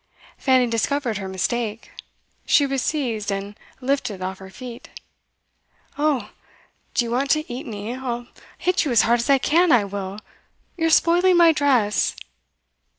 Fanny discovered her mistake. She was seized and lifted off her feet. 'Oh! Do you want to eat me? I'll hit you as hard as I can, I will! You're spoiling my dress?